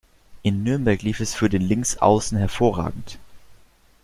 In Nürnberg lief es für den Linksaußen hervorragend.